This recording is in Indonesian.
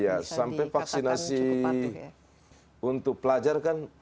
iya sampai vaksinasi untuk pelajar kan